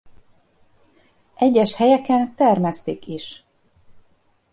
Egyes helyeken termesztik is.